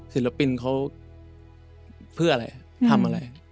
ศิลปินเขาเพื่ออะไรทำอะไร